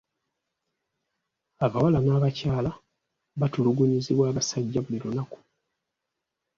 Abawala n'abakyala batulugunyizibwa abasajja buli lunaku.